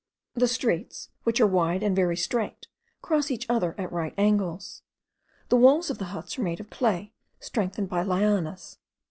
The streets, which are wide and very straight, cross each other at right angles. The walls of the huts are made of clay, strengthened by lianas.